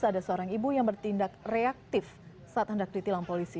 ada seorang ibu yang bertindak reaktif saat hendak ditilang polisi